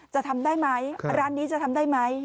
จะทำได้ไหมร้านนี้จะทำได้ไหม